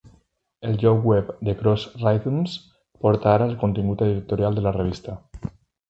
El lloc web de Cross Rhythms porta ara el contingut editorial de la revista.